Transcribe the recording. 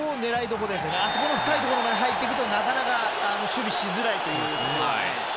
あそこの深いところまで入っていくとなかなか守備がしづらいですね。